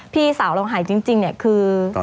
พี่สาวเราหายจริงเนี่ยคือ